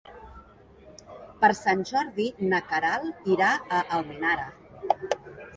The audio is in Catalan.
Per Sant Jordi na Queralt irà a Almenara.